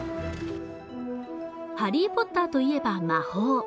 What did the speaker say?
「ハリー・ポッター」といえば魔法。